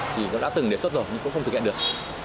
thì nó đã từng đề xuất rồi nhưng cũng không thực hiện được